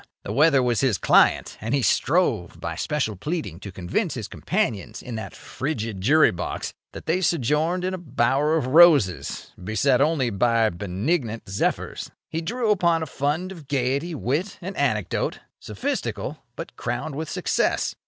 The weather was his client, and he strove by special pleading to convince his companions in that frigid jury box that they sojourned in a bower of roses, beset only by benignant zephyrs. He drew upon a fund of gaiety, wit, and anecdote, sophistical, but crowned with success.